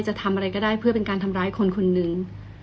จะทำอะไรก็ได้เพื่อเป็นการทำร้ายคนคนหนึ่ง